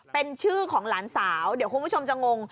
เป็นชื่อของหลานสาวเดี๋ยวคุณผู้ชมจะงง